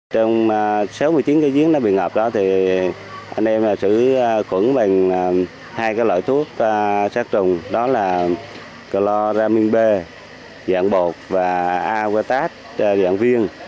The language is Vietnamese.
trong sáu mươi chín cái giếng đã bị ngập đó thì anh em sử khuẩn bằng hai cái loại thuốc sát trùng đó là cloramin b dạng bột và aquatac dạng viên